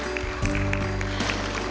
orang yang benar benar reva sayang